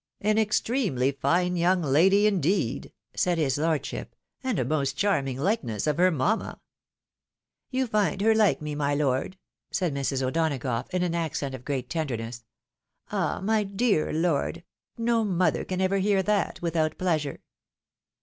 f An extremely fine young lady, indeed !" said his lordship, " and a most charming likeness of her mamma!" " You find her Uke me, my lord ?" said Mrs. O'Donagough, in an accent of great tenderness. "Ah! my dear lord! no mother can ever hear that without pleasure